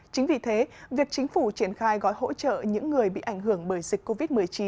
chính vì thế việc chính phủ triển khai gói hỗ trợ những người bị ảnh hưởng bởi dịch covid một mươi chín